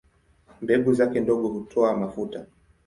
Mbegu zake ndogo hutoa mafuta.